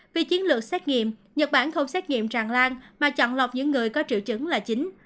vì chiến lược xét nghiệm nhật bản không xét nghiệm tràn lan mà chọn lọc những người có triệu chứng là chính